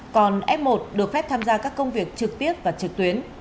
còn f một được phép tham gia các công việc trực tiếp và trực tuyến